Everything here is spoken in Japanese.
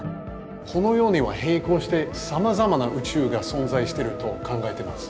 この世には平行してさまざまな宇宙が存在してると考えてます。